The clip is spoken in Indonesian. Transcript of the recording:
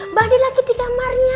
mbak andin lagi di kamarnya